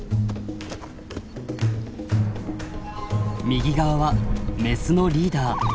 右側はメスのリーダー。